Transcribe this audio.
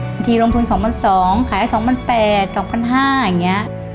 ลงทุน๒๒๐๐ขาย๒๘๐๐๒๕๐๐อย่างนี้